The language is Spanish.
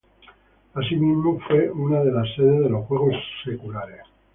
Asimismo fue una de las sedes de los Juegos Seculares.